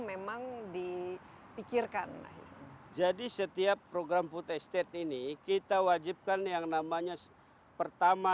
memang dipikirkan jadi setiap program putih state ini kita wajibkan yang namanya sepertamanya